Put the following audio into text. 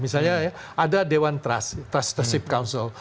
misalnya ada dewan trust trust and ship council